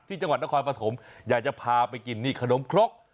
อ่าที่จังหวัดนครปฐมอยากจะพากินขนมคร๊อก